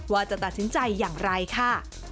ว่าจะตัดสินใจอย่างไรค่ะ